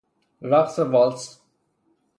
رقص والس